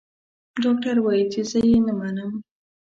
ډاکټر وايي چې زه يې نه منم.